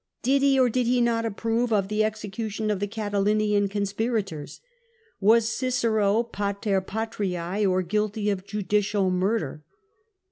Did he or did he not approve of the execution of the Catilinian conspirators ? Was Cicero ^(xUr patrim or guilty of judicial murder?